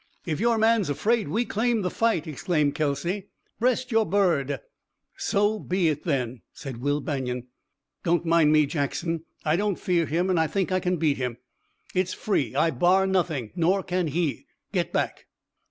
"If your man's afraid, we claim the fight!" exclaimed Kelsey. "Breast yore bird!" "So be it then!" said Will Banion. "Don't mind me, Jackson! I don't fear him and I think I can beat him. It's free! I bar nothing, nor can he! Get back!"